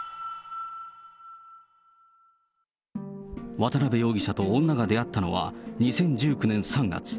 渡辺容疑者と女が出会ったのは２０１９年３月。